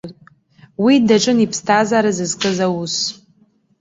Уи даҿын иԥсҭазаара зызкыз аус.